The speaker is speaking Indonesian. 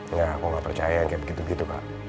enggak aku nggak percaya yang kayak begitu begitu kak